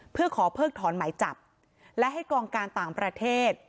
เพื่อขอเพิกถอนหมายจับและให้กองการต่างประเทศ